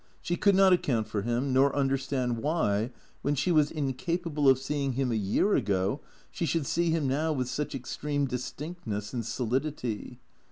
She could not account for him, nor understand why, when she was incapable of seeing him a year ago, she should see him now with such extreme distinctness and solidity.